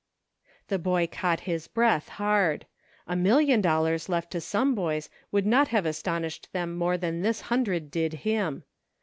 The boy caught his breath hard. A million dol lars left to some boys would not have astonished them more than this hundred did him.